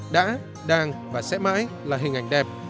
đã đang và sẽ mãi là hình ảnh đẹp